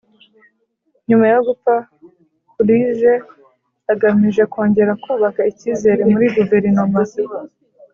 nyuma yo gupfa, coolidge agamije kongera kubaka ikizere muri guverinoma